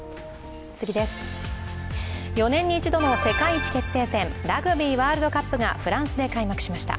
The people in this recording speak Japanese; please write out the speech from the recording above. ４年に一度の世界一決定戦、ラグビーワールドカップがフランスで開幕しました。